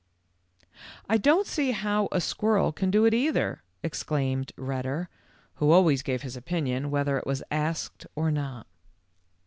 ff I don't see how a squirrel can do it, either/' exclaimed Redder, who always gave his opin ion whether it was asked or not.